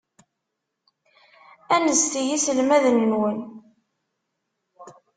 Anzet i yiselmaden-nwen.